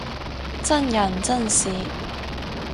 真人真事